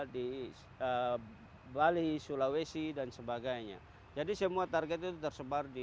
di kalimantan di papua di bali sulawesi dan sebagainya jadi semua targetnya tersebar di